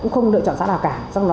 cũng không được chọn xã nào cả